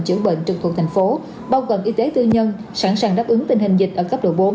chữa bệnh trực thuộc thành phố bao gồm y tế tư nhân sẵn sàng đáp ứng tình hình dịch ở cấp độ bốn